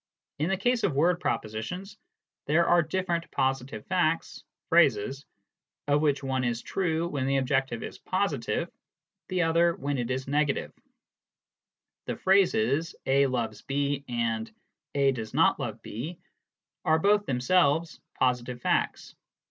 In the case of word propositions, there are different positive facts (phrases), of which one is true when the objective is positive, the other when it is negative : the phrases " A loves B " and " A does not love B" are both themselves positive facts.